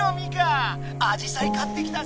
アジサイ買ってきたぞ！